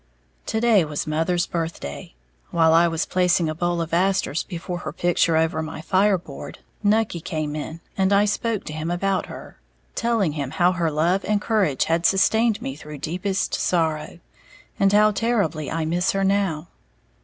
_ To day was Mother's birthday. While I was placing a bowl of asters before her picture over my fireboard, Nucky came in, and I spoke to him about her, telling him how her love and courage had sustained me through deepest sorrow, and how terribly I miss her now.